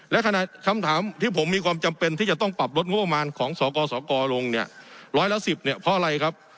และขณะคำถามที่ผมมีความจำเป็นที่จะต้องปรับลดงบประมาณของสกสกลงเนี่ยร้อยละ๑๐เนี่ยเพราะอะไรครับ